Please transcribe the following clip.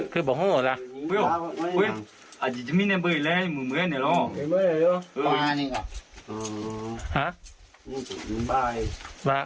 คือบอกความโหลแหละ